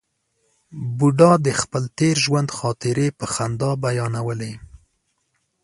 بوډا د خپل تېر ژوند خاطرې په خندا بیانولې.